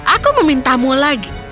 aku memintamu lagi